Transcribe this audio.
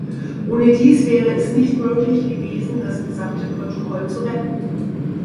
Ohne dies wäre es nicht möglich gewesen, das gesamte Protokoll zu retten.